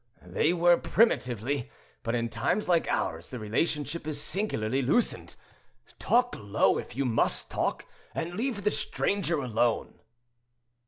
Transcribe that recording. "They were primitively; but in times like ours the relationship is singularly loosened. Talk low, if you must talk, and leave the stranger alone."